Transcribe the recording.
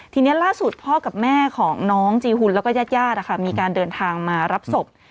ทีนี้ล่าสุดพ่อกับแม่ของน้องจีหุ่นแล้วก็ญาติญาติมีการเดินทางมารับศพ